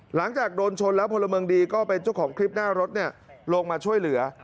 หลังจากโดนชนแล้วพลเมืองดีก็เป็นเจ้าของคลิปหน้ารถลงมาช่วยเหลือ